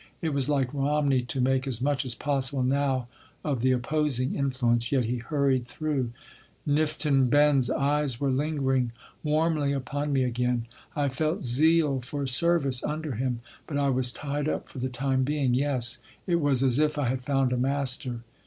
It was like Romney to make as much as possible now of the opposing influence, yet he hurried through: "Nifton Bend’s eyes were lingering warmly upon me again. I felt zeal for service under him, but I was tied up for the time being. Yes, it was as if I had found a master.